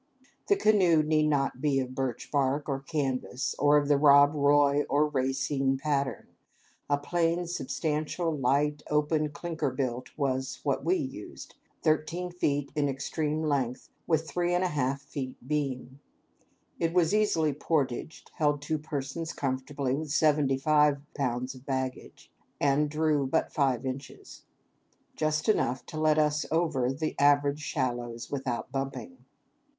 The canoe need not be of birch bark or canvas, or of the Rob Roy or Racine pattern. A plain, substantial, light, open clinker build was what we used, thirteen feet in extreme length, with three and a half feet beam. It was easily portaged, held two persons comfortably with seventy five pounds of baggage, and drew but five inches, just enough to let us over the average shallows without bumping.